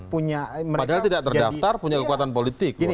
padahal tidak terdaftar punya kekuatan politik